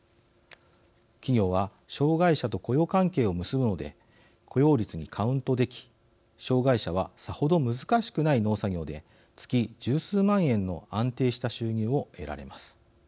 企業は障害者と雇用関係を結ぶので雇用率にカウントでき障害者はさほど難しくない農作業で月１０数万円の安定した収入を得られます。